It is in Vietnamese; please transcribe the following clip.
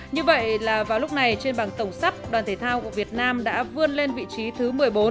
như vậy là vào lúc này trên bảng tổng sắp đoàn thể thao của việt nam đã vươn lên vị trí thứ một mươi bốn